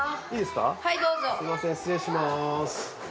すみません失礼します。